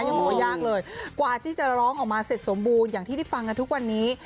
ยังบอกว่ายากเลยกว่าที่จะร้องออกมาเสร็จสมบูรณ์อย่างที่ได้ฟังกันทุกวันนี้